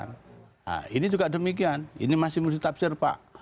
nah ini juga demikian ini masih mesti tafsir pak